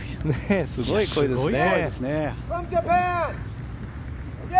すごい声ですね。